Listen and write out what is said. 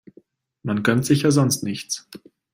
Man gönnt sich ja sonst nichts.